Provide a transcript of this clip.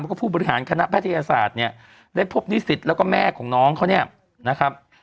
แล้วก็ผู้บริหารคณะแพทยศาสตร์เนี่ยได้พบนิสิตแล้วก็แม่ของน้องเขาเนี่ยนะครับ